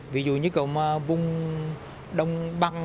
ví dụ như kiểu mà vùng đông băng